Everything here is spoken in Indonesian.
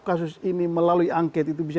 kasus ini melalui angket itu bisa